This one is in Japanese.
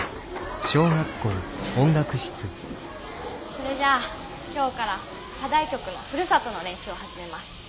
それじゃ今日から課題曲の「ふるさと」の練習を始めます。